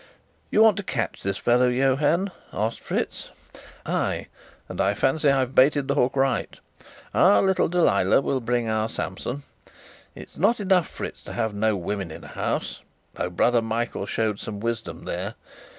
"You want to catch this fellow Johann?" asked Fritz. "Ay, and I fancy I've baited the hook right. Our little Delilah will bring our Samson. It is not enough, Fritz, to have no women in a house, though brother Michael shows some wisdom there.